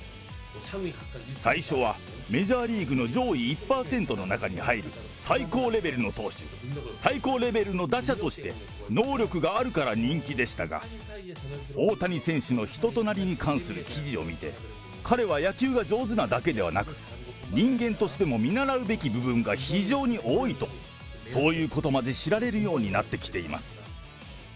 最初はメジャーリーグの上位１％の中に入る最高レベルの投手、最高レベルの打者として能力があるから人気でしたが、大谷選手の人となりに関する記事を見て、彼は野球が上手なだけでなく、人間としても見習うべき部分が非常に多いと、そういうことまで知られるようになってきています。